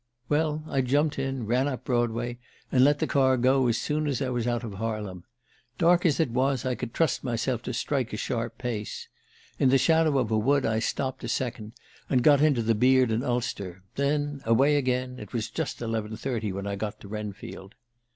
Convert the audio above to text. "Well, I jumped in, ran up Broadway, and let the car go as soon as I was out of Harlem. Dark as it was, I could trust myself to strike a sharp pace. In the shadow of a wood I stopped a second and got into the beard and ulster. Then away again it was just eleven thirty when I got to Wrenfield.